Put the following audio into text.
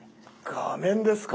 画面ですか？